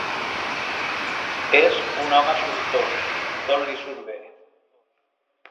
És un home sortós: tot li surt bé.